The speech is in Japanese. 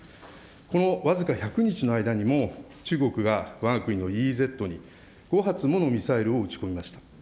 この僅か１００日の間にも、中国がわが国のＥＥＺに５発ものミサイルを撃ち込みました。